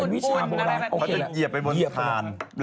เขาจะเหยียบไปบนทาน